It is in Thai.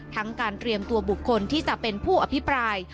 การเตรียมตัวบุคคลที่จะเป็นผู้อภิปราย